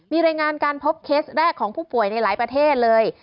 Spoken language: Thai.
มีรายงานการพบเคสแรกของผู้ป่วยในหลายประเทศเลย